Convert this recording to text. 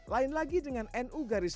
lain lagi dengan nu garis